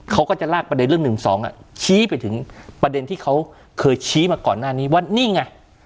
เขาก็จะลากประเด็นเรื่องหนึ่งสอง